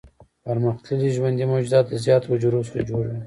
پرمختللي ژوندي موجودات د زیاتو حجرو څخه جوړ وي.